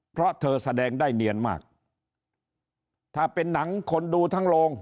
เพราะเธอแสดงได้เนียนมากถ้าเป็นหนังคนดูทั้งโรง